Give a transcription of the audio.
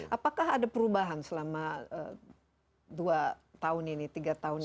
apakah ada perubahan selama dua tahun ini tiga tahun ini